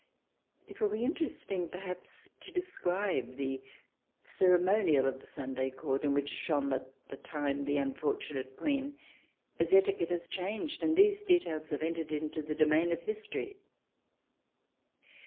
It will be interesting perhaps to describe the cere monial of the Sunday Court in which shone at the time the unfortunate Queen, as etiquette has changed and these details have entered into the domain of history.